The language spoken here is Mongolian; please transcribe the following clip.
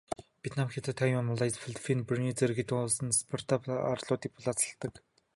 Вьетнам, Хятад, Тайвань, Малайз, Филиппин, Бруней зэрэг хэд хэдэн улс Спратл арлуудыг булаацалддаг.